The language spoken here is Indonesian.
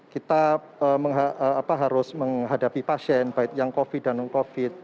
kita harus menghadapi pasien baik yang covid dan non covid